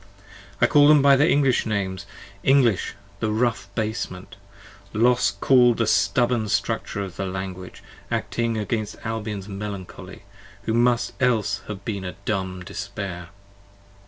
(I call them by their English names; English, the rough basement. Los built the stubborn structure of the Language, acting against 60 Albion's melancholy, who must else have been a Dumb despair.)